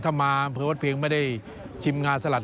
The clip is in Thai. ถ้ามาเพลิงวัดเพลงไม่ได้ชิมงาสลัด